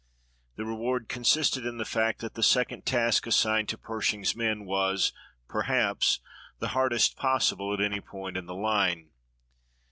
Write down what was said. The reward consisted in the fact that the second task assigned to Pershing's men was, perhaps, the hardest possible at any point in the line.